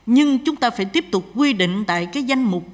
nhưng chúng ta phải tiếp tục quy định tại cái danh mục